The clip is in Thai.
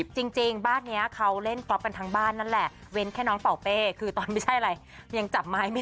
จริงบ้านนี้เขาเล่นก๊อปกันทั้งบ้านนั่นแหละเว้นแค่น้องเป่าเป้คือตอนไม่ใช่อะไรยังจับไม้ไม่